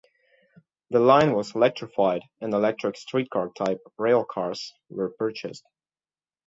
The line was electrified and electric streetcar-type railcars were purchased.